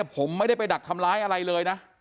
ผมไม่ได้ไปดักทำร้ายอะไรเลยนะ